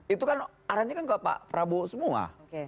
itu kan arahnya kan ke pak prabowo semua